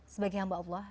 sebagai hamba allah